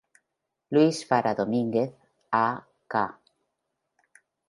Luis Fara Domínguez a.k.a.